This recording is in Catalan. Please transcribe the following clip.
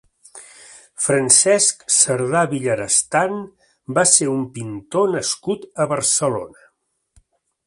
Francesc Cerdá Villarestán va ser un pintor nascut a Barcelona.